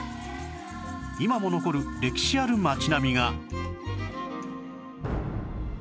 今も残る歴史ある街並みが